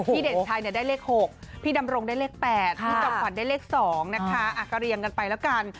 เด่นชัยได้เลข๖พี่ดำรงได้เลข๘พี่จอมขวัญได้เลข๒นะคะก็เรียงกันไปแล้วกัน